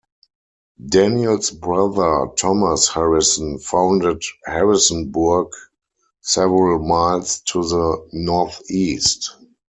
Daniel's brother Thomas Harrison founded Harrisonburg several miles to the northeast.